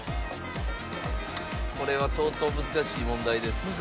これは相当難しい問題です。